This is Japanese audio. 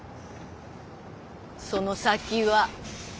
その先は。